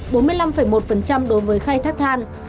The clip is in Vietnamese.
bốn mươi năm một đối với khai thác than